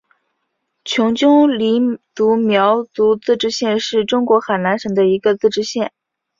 琼中黎族苗族自治县是中国海南省的一个自治县。